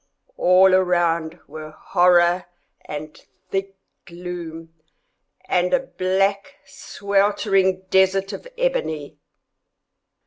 All around were horror, and thick gloom, and a black sweltering desert of ebony.